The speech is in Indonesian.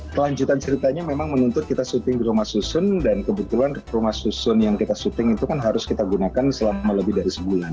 kelanjutan ceritanya memang menuntut kita syuting di rumah susun dan kebetulan rumah susun yang kita syuting itu kan harus kita gunakan selama lebih dari sebulan